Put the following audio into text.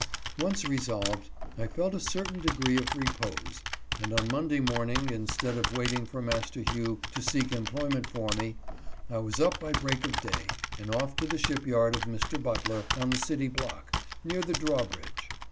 Once resolved, I felt a certain degree of repose, and on Monday morning, instead of waiting for Master Hugh to seek employment for me, I was up by break of day, and off to the ship yard of Mr. Butler, on the City Block, near the draw bridge.